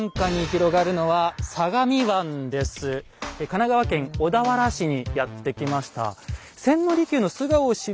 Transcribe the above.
神奈川県小田原市にやって来ました。